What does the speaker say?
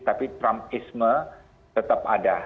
tapi trumpisme tetap ada